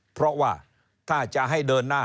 เพราะว่าถ้าจะให้เดินหน้า